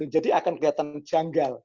jadi akan kelihatan janggal